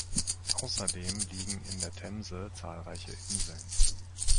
Außerdem liegen in der Themse zahlreiche Inseln.